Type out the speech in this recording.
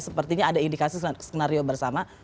sepertinya ada indikasi skenario bersama